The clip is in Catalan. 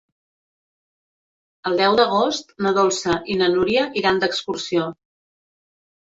El deu d'agost na Dolça i na Núria iran d'excursió.